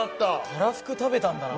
たらふく食べたんだな。